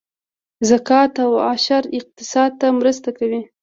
زکات او عشر اقتصاد ته مرسته کوي